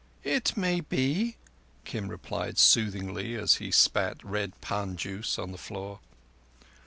"It may be," Kim replied soothingly, as he spat red pan juice on the floor.